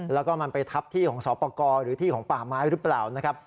แล้วก็มันไปทับที่ของสอบประกอบหรือที่ของป่าไม้หรือเปล่านะครับ